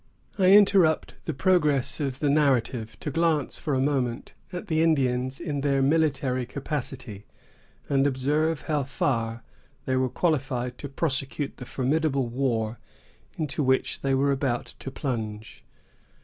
I interrupt the progress of the narrative to glance for a moment at the Indians in their military capacity, and observe how far they were qualified to prosecute the formidable war into which they were about to plunge.